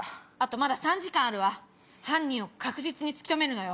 まだ３時間あるわ犯人を確実に突き止めるのよ。